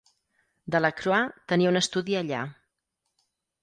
Delacroix tenia un estudi allà.